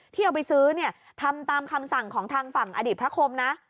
ที่เอาไปซื้อเนี่ยทำตามคำสั่งของทางฝั่งอดีตพระคมนะ